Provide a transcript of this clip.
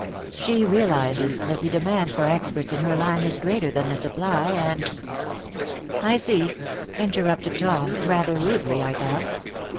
She realizes that the demand for experts in her line is greater than the supply, and " "I see," interrupted Tom, rather rudely, I thought.